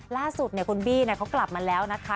ล่าสุดคุณบี้เขากลับมาแล้วนะคะ